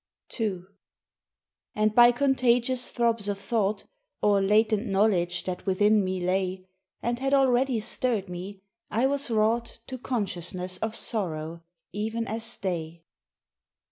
II And by contagious throbs of thought Or latent knowledge that within me lay And had already stirred me, I was wrought To consciousness of sorrow even as they.